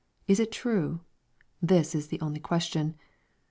Is it true ? This is the only question.